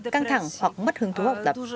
căng thẳng hoặc mất hướng thú học tập